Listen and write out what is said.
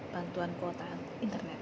bantuan kuota internet